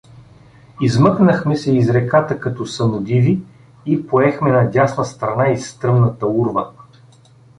Измъкнахме се из реката като самодиви и поехме на дясна страна из стръмната урва.